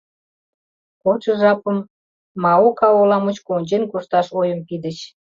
Кодшо жапым Маока ола мучко ончен кошташ ойым пидыч.